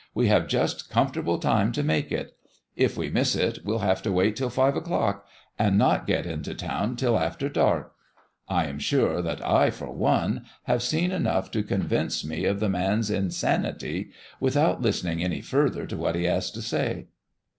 We have just comfortable time to make it. If we miss it, we'll have to wait till five o'clock, and not get into town till after dark. I am sure that I, for one, have seen enough to convince me of the man's insanity without listening any further to what he has to say."